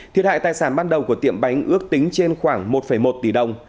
thiệt hại tài sản ban đầu của tiệm bánh ước tính trên khoảng một một tỷ đồng